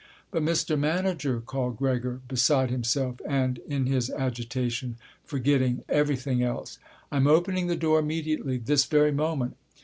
"But Mr. Manager," called Gregor, beside himself and, in his agitation, forgetting everything else, "I'm opening the door immediately, this very moment.